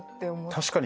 確かに。